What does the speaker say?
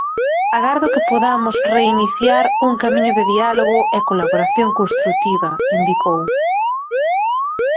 Agardo que podamos reiniciar un camiño de diálogo e colaboración construtiva, indicou.